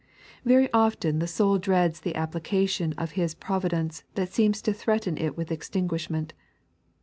"Very often the soul dreads the application of Hie pro vidence that seems to threaten it with extinguishment.